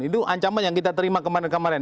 itu ancaman yang kita terima kemarin kemarin